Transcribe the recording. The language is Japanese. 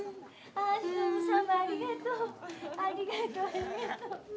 ありがとう。